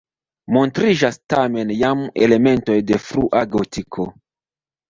Montriĝas tamen jam elementoj de frua gotiko.